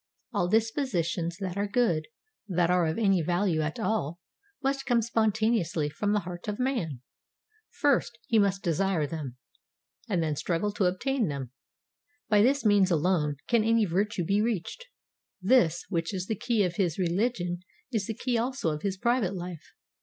All dispositions that are good, that are of any value at all, must come spontaneously from the heart of man. First, he must desire them, and then struggle to obtain them; by this means alone can any virtue be reached. This, which is the key of his religion, is the key also of his private life.